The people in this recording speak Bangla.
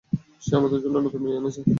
সে আমাদের জন্য নতুন মেয়ে এনেছে।